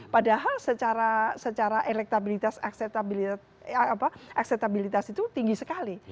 padahal secara elektabilitas akseptabilitas itu tinggi sekali